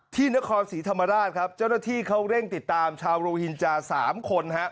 ที่นครศรีธรรมราชครับเจ้าหน้าที่เขาเร่งติดตามชาวโรฮินจา๓คนฮะ